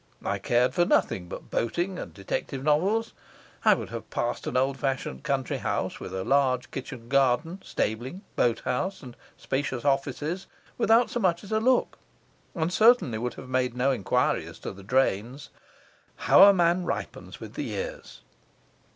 I cared for nothing but boating and detective novels. I would have passed an old fashioned country house with large kitchen garden, stabling, boat house, and spacious offices, without so much as a look, and certainly would have made no enquiry as to the drains. How a man ripens with the years!